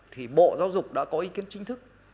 thì bộ giáo dục đã có ý kiến chính thức